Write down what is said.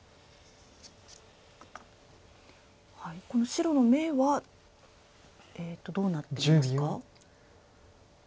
この白の眼はえっとどうなっていますか？